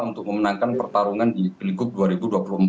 untuk memenangkan pertarungan di pilgub dua ribu dua puluh empat